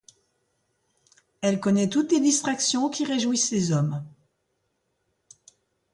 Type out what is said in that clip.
Elle connait toutes les distractions qui réjouissent les hommes.